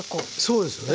そうですよね。